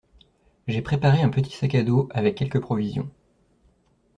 J’ai préparé un petit sac à dos avec quelques provisions.